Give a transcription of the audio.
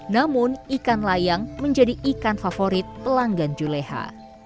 namun ikan layang menjadi ikan favorit pelanggan juleha